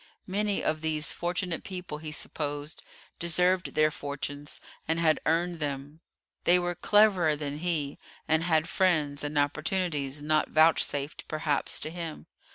Many of these fortunate people, he supposed, deserved their fortunes, and had earned them. They were cleverer than he, and had friends and opportunities not vouchsafed, perhaps, to him.